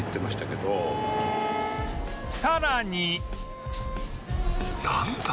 さらに